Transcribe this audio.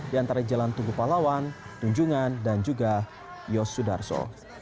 di antara jalan tugu pahlawan tunjungan dan juga yosudarso